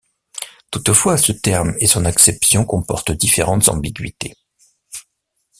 Toutefois, ce terme et son acception comportent différentes ambiguïtés.